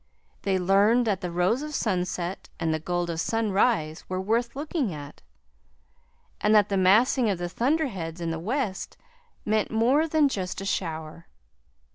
They learned that the rose of sunset and the gold of sunrise were worth looking at; and that the massing of the thunderheads in the west meant more than just a shower.